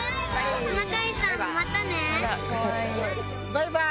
バイバイ！